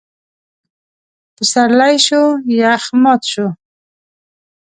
پسرلی شو؛ يخ مات شو.